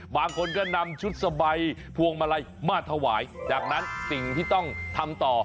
บางคนก็นำชุดสบายพวงมาลัยมาถวายจากนั้นสิ่งที่ต้องทำต่อ